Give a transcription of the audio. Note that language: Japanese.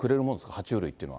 は虫類というのは。